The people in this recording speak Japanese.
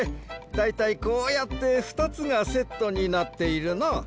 だいたいこうやって２つがセットになっているな。